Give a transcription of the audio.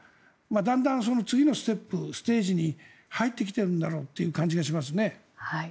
だんだん次のステップステージに入ってきているんだろうという感じがしますね。